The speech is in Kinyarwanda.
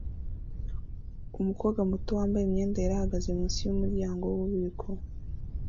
Umukobwa muto wambaye imyenda yera ahagaze munsi yumuryango wububiko